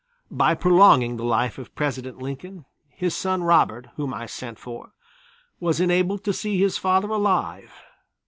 By prolonging the life of President Lincoln, his son Robert, whom I sent for, was enabled to see his father alive.